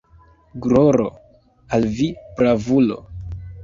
Gloro al vi, bravulo!